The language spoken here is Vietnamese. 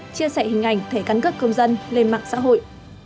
chia sẻ hình ảnh thẻ cân cướp công dân lên mạng xã hội